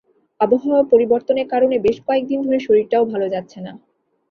আবহাওয়া পরিবর্তনের কারণে বেশ কয়েক দিন ধরে শরীরটাও ভালো যাচ্ছে না।